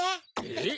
えっ？